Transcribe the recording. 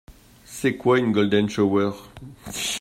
C'est quoi une golden shower?